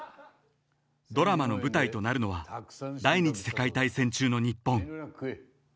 ［ドラマの舞台となるのは第二次世界大戦中の日本］